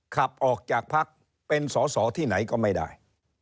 ขับออกจากพักเป็นสอสอที่ไหนก็ไม่ได้